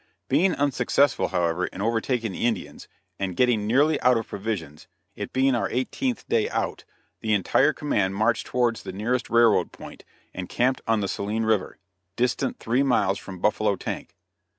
Being unsuccessful, however, in overtaking the Indians, and getting nearly out of provisions it being our eighteenth day out, the entire command marched towards the nearest railroad point, and camped on the Saline River; distant three miles from Buffalo Tank.